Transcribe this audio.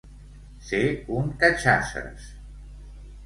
Ser un catxasses.